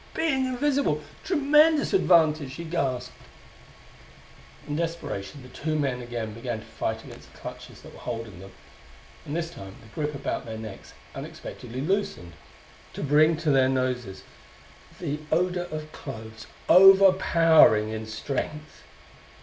"Being invisible tremendous advantage!" he gasped. In desperation the two men again began to fight against the clutches that were holding them, and this time the grip about their necks unexpectedly loosened to bring to their noses the odor of cloves overpowering in strength.